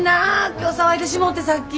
今日騒いでしもうてさっき。